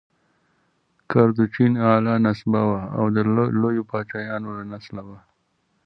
کردوچین اعلی نسبه وه او د لویو پاچاهانو له نسله وه.